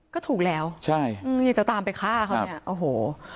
ก็ถูกแล้วใช่อยากจะตามไปฆ่าเขาเนี่ยโอ้โห